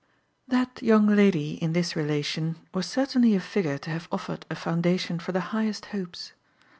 V That young lady, in this relation, was certainly a figure to have offered a foundation for the highest hopes.